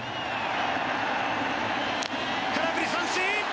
空振り三振！